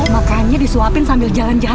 makanya disuapin sambil jalan jalan